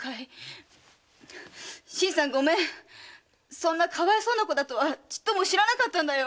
そんなかわいそうな子だとはちっとも知らなかったんだよ。